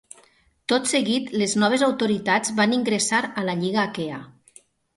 Tot seguit les noves autoritats van ingressar a la Lliga Aquea.